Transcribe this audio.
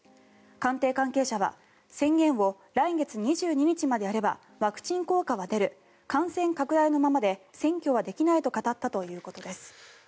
官邸関係者は宣言を来月２２日までやればワクチン効果は出る感染拡大のままで選挙はできないと語ったということです。